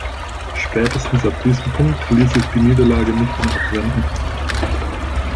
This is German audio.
Spätestens ab diesem Punkt ließ sich die Niederlage nicht mehr abwenden.